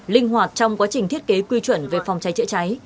linh hoạt trong quá trình thiết kế quy chuẩn về phòng trái trái trái